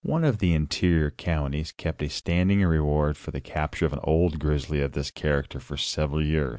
One of the interior counties kept a standing reward for the capture of an old grizzly of this character for several years.